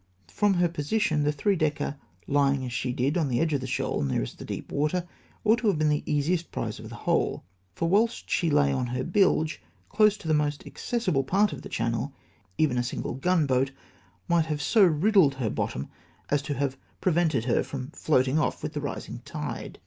From her position the three decker, lyhig as she did on the edge of the shoal, nearest the deep water, ought to have been the easiest prize of the whole ; for whilst she lay on her bilge, close to the most accessible part of the channel, even a single gunboat might have so riddled her bottom as to have prevented her from floating off with the rising tide